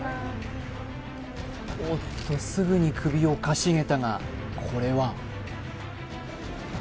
おっとすぐに首をかしげたがこれは？